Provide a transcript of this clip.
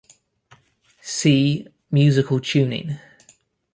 See: musical tuning.